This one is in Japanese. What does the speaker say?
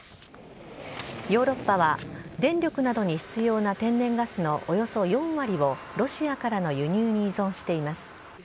ヨーロッパは、電力などに必要な天然ガスのおよそ４割をロシアからの輸入に依存しています。